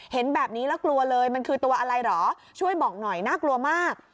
เห็นแบบนี้แล้วกลัวเลยมันคือตัวอะไรเหรอช่วยบอกหน่อยน่ากลัวมาก